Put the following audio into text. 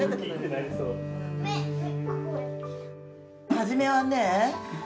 初めはね